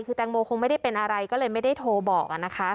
คือแตงโมคงไม่ได้เป็นอะไรก็เลยไม่ได้โทรบอกนะคะ